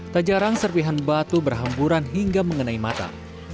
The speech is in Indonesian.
tak jarang serpihan batu berhamburan hingga mengenai mata